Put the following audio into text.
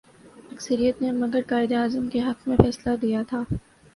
اکثریت نے مگر قائد اعظم کے حق میں فیصلہ دیا تھا۔